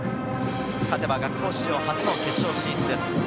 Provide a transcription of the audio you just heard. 勝てば学校史上初の決勝進出です。